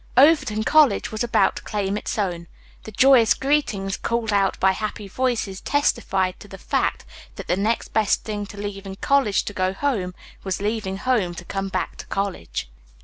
Overton College was about to claim its own. The joyous greetings called out by happy voices testified to the fact that the next best thing to leaving college to go home was leaving home to come back to college.